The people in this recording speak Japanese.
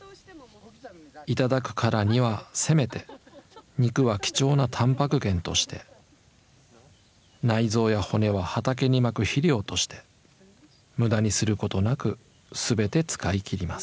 頂くからにはせめて肉は貴重なたんぱく源として内臓や骨は畑にまく肥料として無駄にすることなく全て使い切ります。